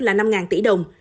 là năm tỷ đồng